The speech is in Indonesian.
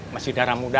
masih darah muda